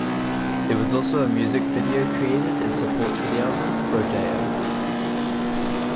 There was also a music video created in support for the album - "Brodeo".